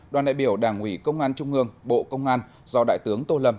đoàn đại biểu đảng ủy công an trung ương bộ công an do đại tướng tô lâm